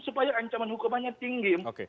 supaya ancaman hukumannya tinggi